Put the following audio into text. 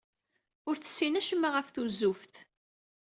Ur tessin acemma ɣef tuzzuft.